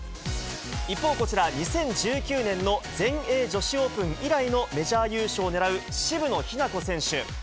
一方、こちら２０１９年の全英女子オープン以来のメジャー優勝をねらう渋野日向子選手。